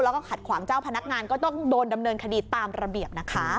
แล้วก็ขัดขวางเจ้าพนักงานก็ต้องโดนดำเนินคดีตามระเบียบนะคะ